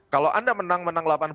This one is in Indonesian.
kalau anda menang menang delapan belas